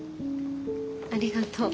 ありがとう。